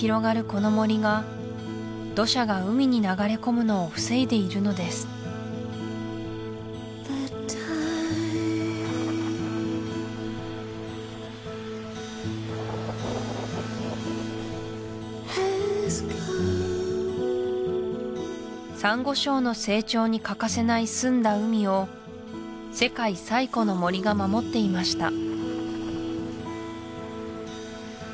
この森が土砂が海に流れ込むのを防いでいるのですサンゴ礁の成長に欠かせない澄んだ海を世界最古の森が守っていました